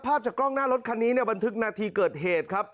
จากกล้องหน้ารถคันนี้เนี่ยบันทึกนาทีเกิดเหตุครับ